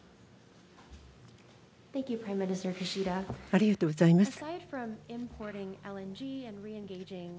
ありがとうございます。